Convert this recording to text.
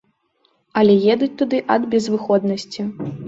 Але едуць туды ад безвыходнасці.